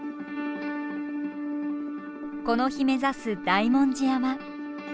この日目指す大文字山。